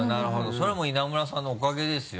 それはもう稲村さんのおかげですよ。